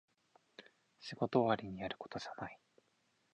仕事終わりにやることじゃない